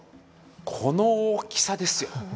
この大きさですよ。